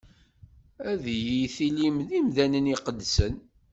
Ad yi-tilim d imdanen imqeddsen.